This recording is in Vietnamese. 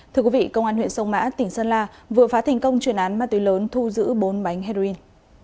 thưa quý vị công an huyện sông mã tỉnh sơn la vừa phá thành công truyền án ma túy lớn thu giữ bốn bánh heroin